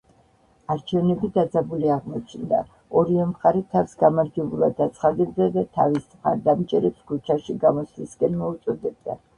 არჩევნები დაძაბული აღმოჩნდა; ორივე მხარე თავს გამარჯვებულად აცხადებდა და თავის მხარდამჭერებს ქუჩაში გამოსვლისკენ მოუწოდებდა.